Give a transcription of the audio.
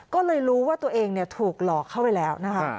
ก็เลยรู้ว่าตัวเองถูกหลอกเข้าไปแล้วนะคะ